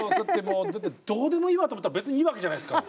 だってどうでもいいわと思ったら別にいいわけじゃないですか。